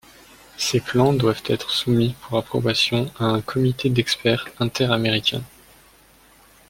Ces plans doivent être soumis pour approbation à un comité d'experts inter-Américains.